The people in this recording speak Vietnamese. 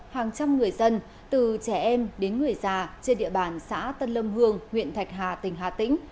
hàng trăm người dân từ trẻ em đến người già trên địa bàn xã tân lâm hương huyện thạch hà tỉnh hà tĩnh